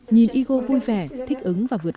nhìn igor vui vẻ thích ứng và vui lòng